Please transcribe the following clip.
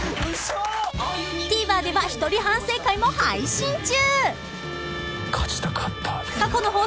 ［ＴＶｅｒでは一人反省会も配信中］